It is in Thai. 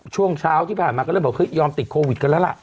ช่วงเช้าที่ผ่านมาก็เลยบอกเฮ้ยยอมติดโควิดกันแล้วล่ะ